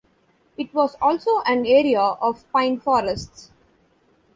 It was also an area of pine forests.